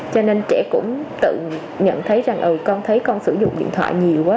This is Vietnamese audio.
cho nên trẻ cũng tự nhận thấy rằng con thấy con sử dụng điện thoại nhiều quá